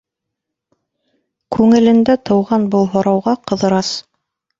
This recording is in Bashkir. Күңелендә тыуған был һорауға Ҡыҙырас: